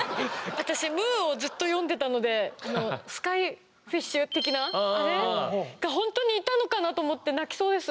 私「ムー」をずっと読んでたのでスカイフィッシュ的なあれがほんとにいたのかなと思って泣きそうです。